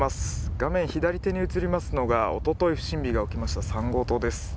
画面左に見えますのがおととい、不審火が起きました３号棟です。